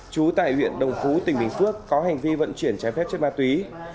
chú tại huyện đồng phú tỉnh bình phước có hành vi vận chuyển trái phép trên ma túy